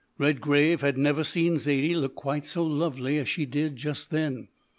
Redgrave had never seen Zaidie look quite so lovely as she did just then.